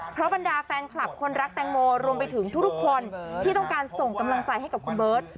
เพราะบรรดาแฟนคลับคนรักแตงโมรวมไปถึงทุกคนที่ต้องการส่งกำลังใจให้กับคุณเบิร์ต